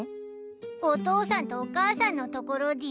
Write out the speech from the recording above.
お父さんとお母さんの所でぃす。